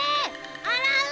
あらう！